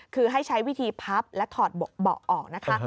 คือให้ใช้วิธีพับและถอดเบาะออกนะคะ